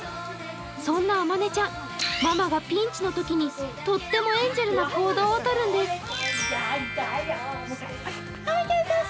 そんなあまねちゃん、ママがピンチのときにとってもエンジェルな行動をとるんです。